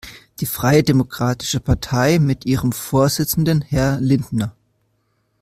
Die freie Demokratische Partei mit ihrem Vorsitzenden Herrn Lindner.